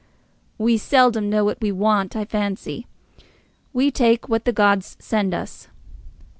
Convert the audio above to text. "We seldom know what we want, I fancy. We take what the gods send us."